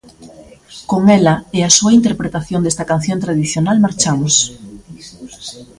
Con ela e a súa interpretación desta canción tradicional marchamos.